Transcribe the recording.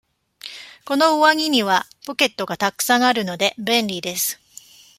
この上着にはポケットがたくさんあるので、便利です。